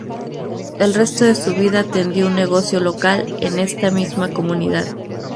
El resto de su vida atendió un negocio local en esta misma comunidad.